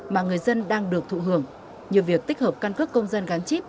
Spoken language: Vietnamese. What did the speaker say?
mà người dân đang được thụ hưởng như việc tích hợp căn cước công dân gắn chip